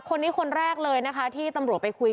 คนที่คนแรกเลยที่ตำรวจไปคุย